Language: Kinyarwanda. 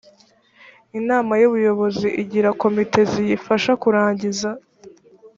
inama y ubuyobozi igira komite ziyifasha kurangiza